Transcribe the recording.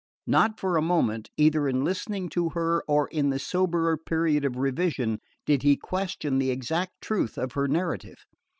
Not for a moment, either in listening to her or in the soberer period of revision, did he question the exact truth of her narrative.